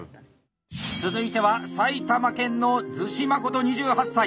続いては埼玉県の厨子誠２８歳。